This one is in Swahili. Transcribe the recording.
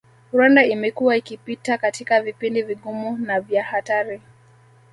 Rwanda imekuwa ikipita katika vipindi vigumu na vya hatari